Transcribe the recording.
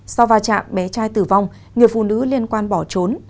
sau va chạm bé trai tử vong người phụ nữ liên quan bỏ trốn